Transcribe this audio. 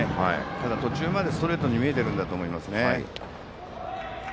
ただ途中までストレートに見えているんだと思います。